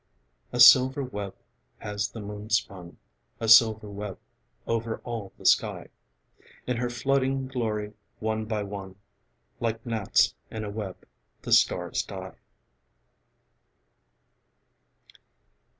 A silver web has the moon spun, A silver web over all the sky. In her flooding glory, one by one, Like gnats in a web the stars die.